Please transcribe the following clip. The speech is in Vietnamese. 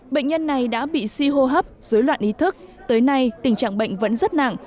bệnh nhân này đã bị suy hô hấp dối loạn ý thức tới nay tình trạng bệnh vẫn rất nặng